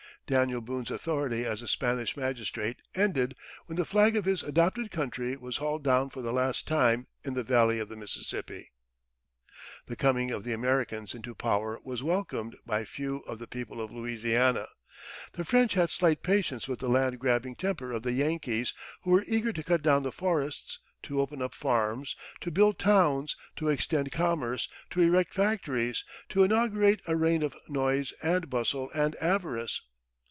Daniel Boone's authority as a Spanish magistrate ended when the flag of his adopted country was hauled down for the last time in the Valley of the Mississippi. The coming of the Americans into power was welcomed by few of the people of Louisiana. The French had slight patience with the land grabbing temper of the "Yankees," who were eager to cut down the forests, to open up farms, to build towns, to extend commerce, to erect factories to inaugurate a reign of noise and bustle and avarice.